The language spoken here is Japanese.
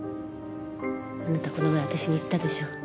あなたこの前私に言ったでしょ。